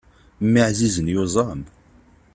Mmi ɛzizen yuẓam.